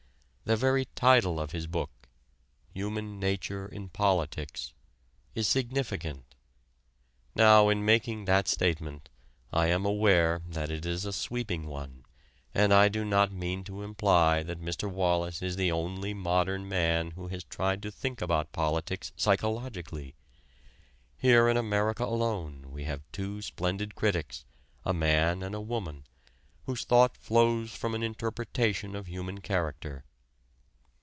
The very title of his book "Human Nature in Politics" is significant. Now in making that statement, I am aware that it is a sweeping one, and I do not mean to imply that Mr. Wallas is the only modern man who has tried to think about politics psychologically. Here in America alone we have two splendid critics, a man and a woman, whose thought flows from an interpretation of human character.